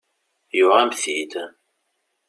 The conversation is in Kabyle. Yuɣ-am-t-id.